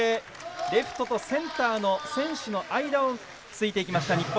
レフトとセンターの選手の間を突いていった日本。